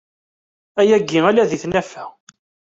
Ayagi ala di tnafa.